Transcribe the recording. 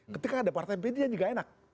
ketika ada partai b dia juga enak